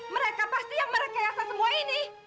mereka pasti yang merekayasa semua ini